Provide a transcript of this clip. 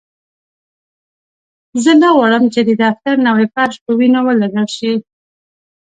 زه نه غواړم چې د دفتر نوی فرش په وینو ولړل شي